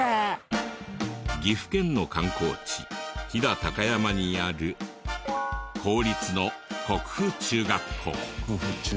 岐阜県の観光地飛騨高山にある公立の国府中学校。